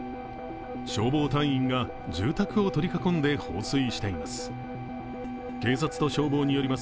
消防隊員が住宅を取り囲んで放水しています。